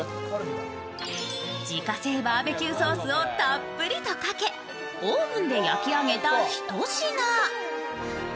自家製バーベキューソースをたっぷりとかけオーブンで焼き上げたひと品。